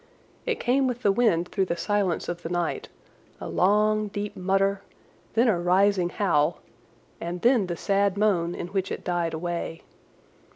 It came with the wind through the silence of the night, a long, deep mutter, then a rising howl, and then the sad moan in which it died away.